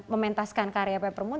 mementaskan karya peppermoon